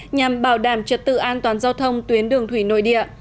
nhằm bảo đảm trật tự an toàn giao thông tuyến đường thủy nội địa